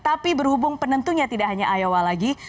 tapi berhubung penentunya tidak hanya iowa lagi